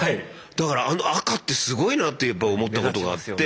だからあの赤ってすごいなってやっぱ思ったことがあって。